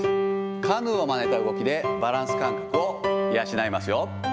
カヌーをまねた動きでバランス感覚を養いますよ。